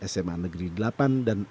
sma negeri delapan dan